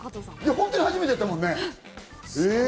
本当に初めてやったもんね。